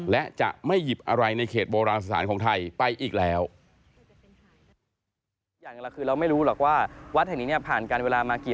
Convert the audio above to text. และจะไม่หยิบอะไรในเขตโบราณสถานของไทยไปอีกแล้ว